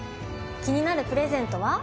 気になるプレゼントは？